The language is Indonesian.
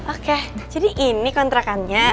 oke jadi ini kontrakannya